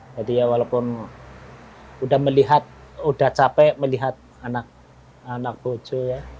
jadi ya walaupun udah melihat udah capek melihat anak bojo ya